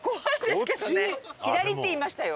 左って言いましたよ